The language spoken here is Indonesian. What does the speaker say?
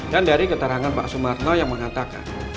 dan dari keterangan pak sumarno yang mengatakan